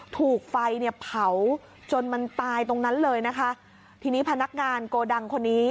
ถูกไฟเนี่ยเผาจนมันตายตรงนั้นเลยนะคะทีนี้พนักงานโกดังคนนี้